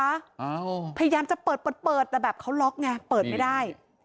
อ้าวพยายามจะเปิดเปิดเปิดแต่แบบเขาล็อกไงเปิดไม่ได้